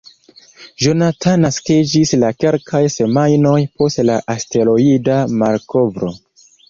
Jonathan naskiĝis la kelkaj semajnoj post la asteroida malkovro.